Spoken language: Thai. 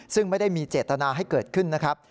ซึ่งไม่ได้มีเจตนาให้เกิดขึ้นนะครับ